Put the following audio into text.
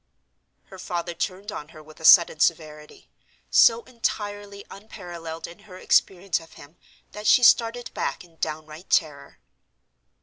Her father turned on her with a sudden severity, so entirely unparalleled in her experience of him that she started back in downright terror.